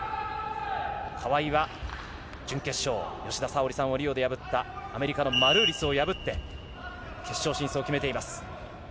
川井は準決勝、吉田沙保里さんをリオで破った、アメリカのマルーリスを破って、決勝進出を決めています。